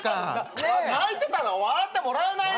泣いてたら笑ってもらえないよ？